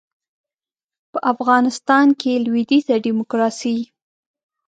په افغانستان کې لویدیځه ډیموکراسي